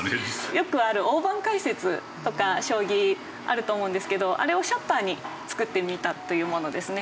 よくある大盤解説とか将棋あると思うんですけどあれをシャッターに作ってみたというものですね。